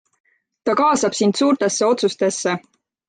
Ta kaasab sind suurtesse otsustesse.